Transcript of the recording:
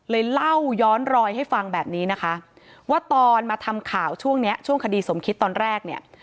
เล่าย้อนรอยให้ฟังแบบนี้นะคะว่าตอนมาทำข่าวช่วงเนี้ยช่วงคดีสมคิดตอนแรกเนี่ย